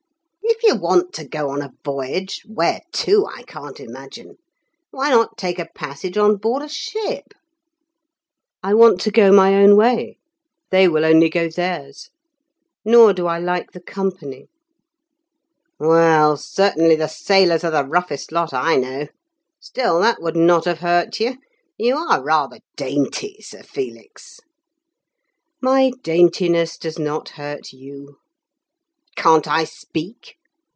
"If you want to go a voyage (where to, I can't imagine), why not take a passage on board a ship?" "I want to go my own way. They will only go theirs. Nor do I like the company." "Well, certainly the sailors are the roughest lot I know. Still, that would not have hurt you. You are rather dainty, Sir Felix!" "My daintiness does not hurt you." "Can't I speak?"